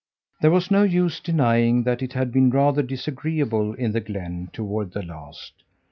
There was no use denying that it had been rather disagreeable in the glen toward the last.